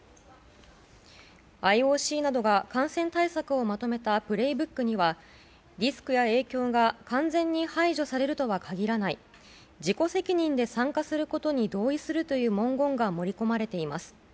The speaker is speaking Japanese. ＩＯＣなどが感染対策をまとめた「プレイブック」にはリスクや影響が完全に排除されるとは限らない自己責任で参加することに同意するという文言が盛り込まれています。